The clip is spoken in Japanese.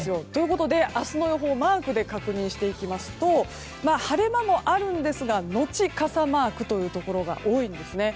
明日の予報をマークで確認していきますと晴れ間もあるんですがのち傘マークというところが多いんですね。